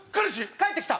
帰ってきた！